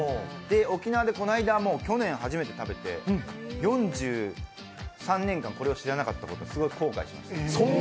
沖縄で去年初めて食べて、四十何年これを知らなかったことにすごい後悔しました。